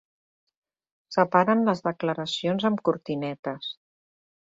Separen les declaracions amb cortinetes.